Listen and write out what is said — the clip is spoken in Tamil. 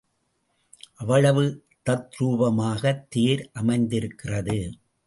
அவ்வளவு தத்ரூபமாக தேர் அமைந்திருக்கிறது.